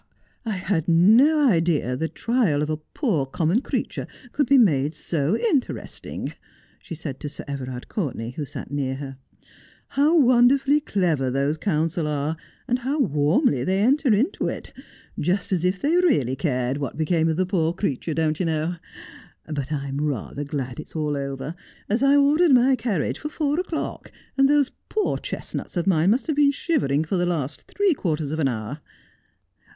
' I had no idea the trial of a poor common creature could be made so interesting,' she said to Sir Everard Courtenay, who sat near her. ' How wonderfully clever those counsel are, and how warmly they enter into it ; just as if they really cared what became of the poer creature, don't you know 1 But I'm rather glad it's all over, as I ordered my carriage for four o'clock, and those poor chestnuts of mine must have been shivering for the last three quarters of an hour.